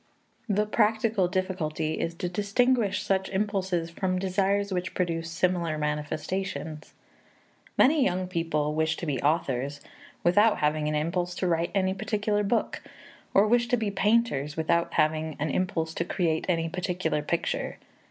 The practical difficulty is to distinguish such impulses from desires which produce similar manifestations. Many young people wish to be authors without having an impulse to write any particular book, or wish to be painters without having an impulse to create any particular picture.